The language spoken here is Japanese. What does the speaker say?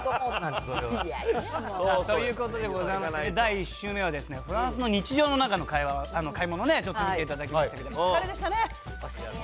ということでございまして、第１週目は、フランスの日常の中の買い物をちょっと見ていただきましたけれども、おしゃれでしたね。